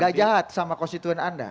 gak jahat sama konstituen anda